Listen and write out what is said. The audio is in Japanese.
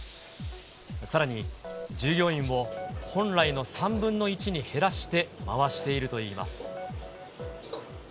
さらに従業員も、本来の３分の１に減らして回しているといいます。